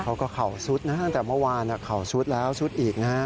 เขาก็เข่าซุดนะตั้งแต่เมื่อวานเข่าซุดแล้วซุดอีกนะฮะ